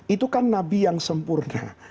itu nabi yang sempurna